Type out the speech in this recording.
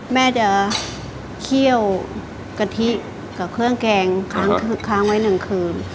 แม่จะเคี่ยวกะทิกับเครื่องแกงค้างไว้หนึ่งคืน